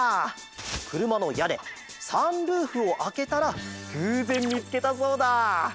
くるまのやねサンルーフをあけたらぐうぜんみつけたそうだ。